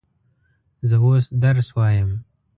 زه اوس درس وایم.